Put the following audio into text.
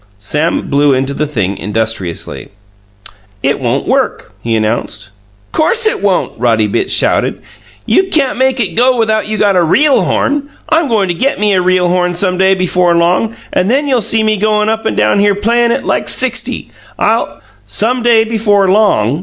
Sam blew into the thing industriously. "It won't work," he announced. "Course it won't!" Roddy Bitts shouted. "You can't make it go without you got a REAL horn. I'm goin' to get me a real horn some day before long, and then you'll see me goin' up and down here playin' it like sixty! I'll " "'Some day before long!'"